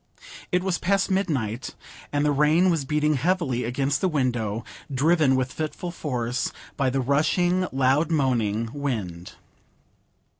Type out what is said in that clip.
It was past midnight, and the rain was beating heavily against the window, driven with fitful force by the rushing, loud moaning wind.